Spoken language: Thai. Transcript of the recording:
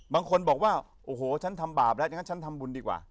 บางคนบอกว่าโอ้โหฉันทำบาปแล้วฉันทำบุญดีกว่า